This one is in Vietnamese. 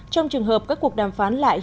trong trường hợp các cuộc đàm phán lại hiệp định